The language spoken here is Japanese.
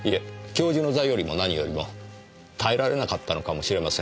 教授の座よりも何よりも耐えられなかったのかもしれません。